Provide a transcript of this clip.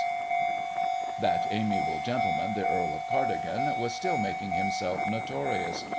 That amiable gentleman, the Earl of Cardigan, was still making himself notorious.